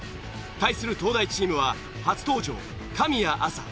対する東大チームは初登場神谷明采。